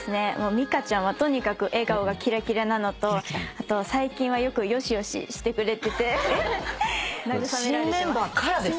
ミカちゃんはとにかく笑顔がきらきらなのとあと最近はよくよしよししてくれてて慰められてます。